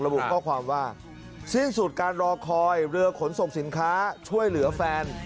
บุข้อความว่าสิ้นสุดการรอคอยเรือขนส่งสินค้าช่วยเหลือแฟน